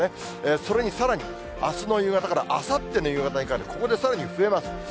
それにさらに、あすの夕方からあさっての夕方にかけて、ここでさらに増えます。